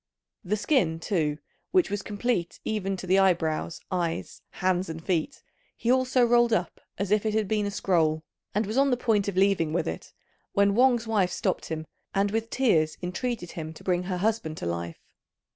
The skin, too, which was complete even to the eyebrows, eyes, hands, and feet, he also rolled up as if it had been a scroll, and was on the point of leaving with it, when Wang's wife stopped him, and with tears entreated him to bring her husband to life.